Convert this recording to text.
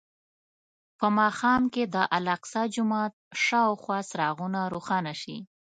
په ماښام کې د الاقصی جومات شاوخوا څراغونه روښانه شي.